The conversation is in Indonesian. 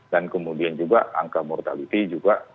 dan kemudian juga angka mortality juga